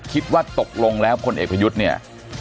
คิดว่าตกลงแล้วพลเอกประยุทธ์เนี่ย